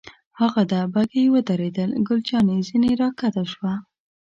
هاغه ده، بګۍ ودرېدل، ګل جانې ځنې را کښته شوه.